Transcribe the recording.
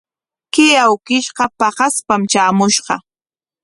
Kay awkishqa paqaspam traamushqa.